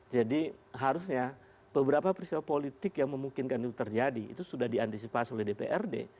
jadi harusnya beberapa proses politik yang memungkinkan itu terjadi itu sudah diantisipasi oleh dprd